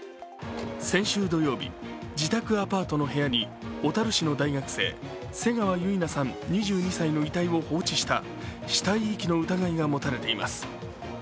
先週土曜日、自宅アパートの部屋に小樽市の大学生、瀬川結菜さん２２歳の遺体を放置した死体遺棄の疑いが持たれています。